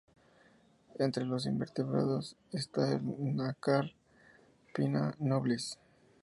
Entre los invertebrados está el nácar, "Pinna nobilis".